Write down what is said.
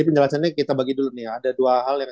penjelasannya kita bagi dulu nih ya ada dua hal yang